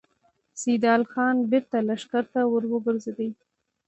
سيدال خان بېرته لښکر ته ور وګرځېد.